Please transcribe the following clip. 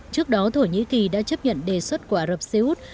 trước đó thổ nhĩ kỳ đã chấp nhận đề xuất của ả rập xê út